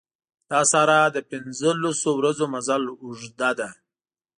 دا صحرا د پنځه لسو ورځو مزل اوږده ده.